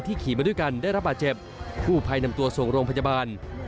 ขี่มาด้วยกันได้รับบาดเจ็บกู้ภัยนำตัวส่งโรงพยาบาล